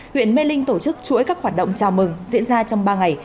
huyện mê linh tổ chức chuỗi các hoạt động chào mừng diễn ra trong ba ngày